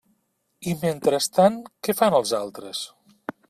I mentrestant, ¿què fan els altres?